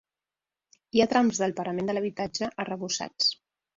Hi ha trams del parament de l'habitatge arrebossats.